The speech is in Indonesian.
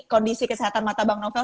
kondisi kesehatan mata bang novel